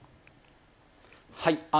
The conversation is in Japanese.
はい。